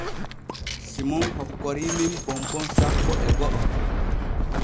Simon hokkorii men bonbon sappo e go’o.